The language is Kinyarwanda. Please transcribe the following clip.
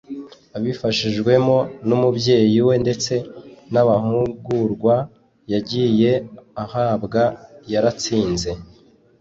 abifashijwemo n’umubyeyi we ndetse n’amahugurwa yagiye ahabwa yaratsinze,